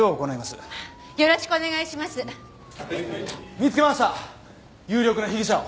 見つけました有力な被疑者を！